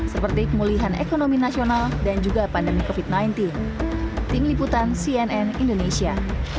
seperti pemulihan ekonomi nasional dan juga pandemi covid sembilan belas tim liputan cnn indonesia